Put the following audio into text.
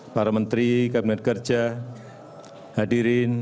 para menteri kabinet kerja hadirin